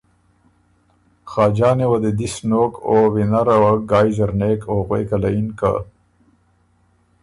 خاجانه وه دی دِس نوک او وینره وه ګایٛ زر نېک او غوېکه له یِن که